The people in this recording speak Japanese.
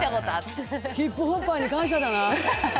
ヒップホッパーに感謝だな。